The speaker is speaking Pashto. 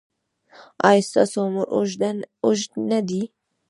ایا ستاسو عمر اوږد نه دی؟